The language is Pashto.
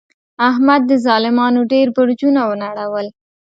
احمد د ظالمانو ډېر برجونه و نړول.